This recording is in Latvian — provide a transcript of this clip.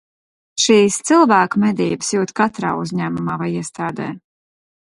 Šīs cilvēku medības jūt katrā uzņēmumā vai iestādē.